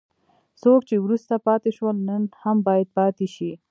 څوک چې وروسته پاتې شول نن هم باید پاتې شي.